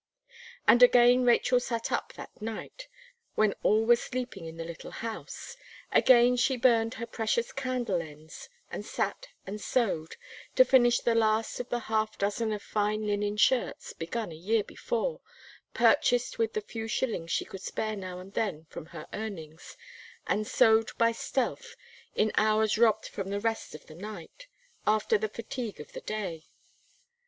And again Rachel sat up that night, when all were sleeping in the little house; again she burned her precious candle ends, and sat and sewed, to finish the last of the half dozen of fine linen shirts, begun a year before, purchased with the few shillings she could spare now and then from her earnings, and sewed by stealth, in hours robbed from the rest of the night, after the fatigue of the day.